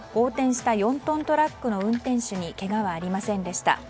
４トントラックの運転手にけがはありませんでした。